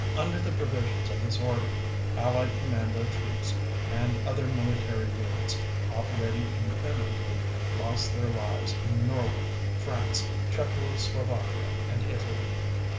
Under the provisions of this order, Allied "Commando" troops, and other military units operating independently, lost their lives in Norway, France, Czechoslovakia, and Italy.